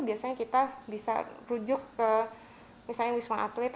biasanya kita bisa rujuk ke misalnya wisma atlet